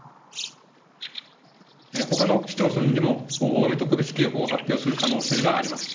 ほかの市町村にも大雨特別警報を発表する可能性があります。